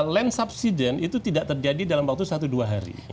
land subsidence itu tidak terjadi dalam waktu satu dua hari